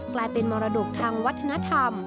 กลายเป็นมรดกทางวัฒนธรรม